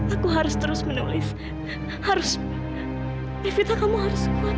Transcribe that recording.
aku harus terus menulis harus vivita kamu harus kuat